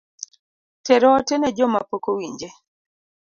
Ter ote ne jomapok owinje